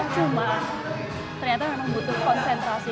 cuma ternyata memang butuh konsentrasi